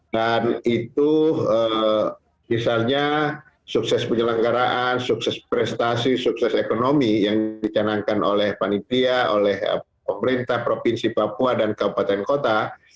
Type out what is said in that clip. dan itu misalnya sukses penyelenggaraan sukses prestasi sukses ekonomi yang dicanangkan oleh panitia oleh pemerintah provinsi papua dan kabupaten kota